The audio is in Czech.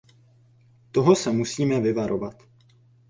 Toho se musíme vyvarovat.